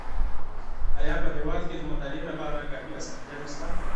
آيا په هېواد کي د مطالعې لپاره کافي اسانتياوې سته؟